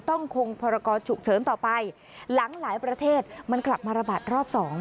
ต้องคงพรกรฉุกเฉินต่อไปหลังหลายประเทศมันกลับมาระบาดรอบ๒